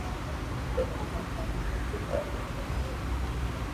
সে আবার সাপ্রিসায় ফিরে আসে।